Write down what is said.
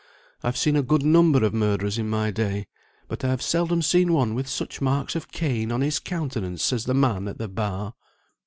I have seen a good number of murderers in my day, but I have seldom seen one with such marks of Cain on his countenance as the man at the bar."